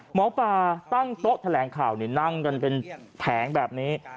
หมอปลาตั้งโต๊ะแถลงข่าวนี่นั่งกันเป็นแผงแบบนี้